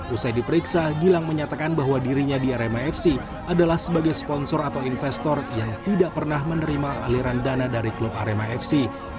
usai diperiksa gilang menyatakan bahwa dirinya di arema fc adalah sebagai sponsor atau investor yang tidak pernah menerima aliran dana dari klub arema fc